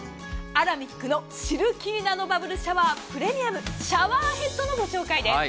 アラミックのシルキーナノバブルシャワープレミアムシャワーヘッドのご紹介です。